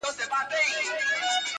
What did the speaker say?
چي هوښيار دي نن سبا ورنه كوچېږي -